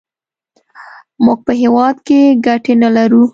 موږ په هېواد کې ګټې نه لرو.